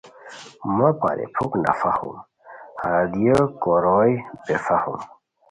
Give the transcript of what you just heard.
مہ پری پُھک نا فہم ہردیو کوروئے بے فہم